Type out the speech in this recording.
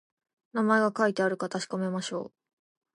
名前が書いてあるか確かめましょう